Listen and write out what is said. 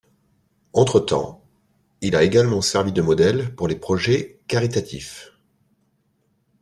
Entre-temps, il a également servi de modèle pour des projets caritatifs.